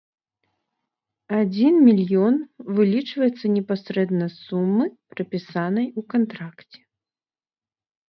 Адзін мільён вылічваецца непасрэдна з сумы, прапісанай у кантракце.